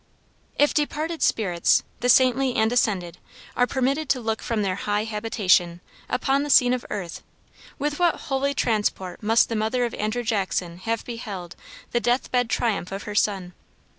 If departed spirits, the saintly and ascended, are permitted to look from their high habitation, upon the scene of earth, with what holy transport must the mother of Andrew Jackson have beheld the death bed triumph of her son.